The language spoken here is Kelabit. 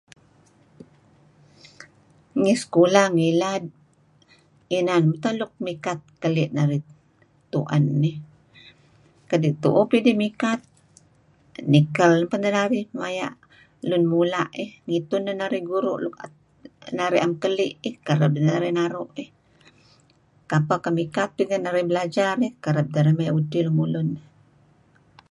Ngi sekulah ngilad inan teh luk mikat keli' narih tu'en ih kadi' tu'uh pidih mikat nikel teh narih maya' lun mula' eh, ngitun neh narih guru' nuk na'em narih keli' ih, kereb neh narih naru' ih. Kapeh ken mikat pidih belajar dih kereb teh narih maya' udtih lemulun eh.